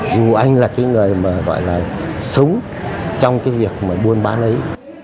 dù anh là cái người mà gọi là sống trong cái việc mà buôn bán lấy